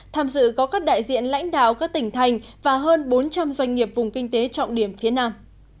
tham dự có các đại diện lãnh đạo các tỉnh thành và hơn bốn trăm linh doanh nghiệp vùng kinh tế trọng điểm phía nam